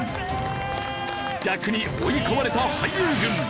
逆に追い込まれた俳優軍。